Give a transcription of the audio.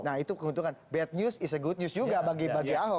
nah itu keuntungan bad news is a good news juga bagi ahok